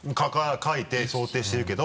書いて想定してるけど。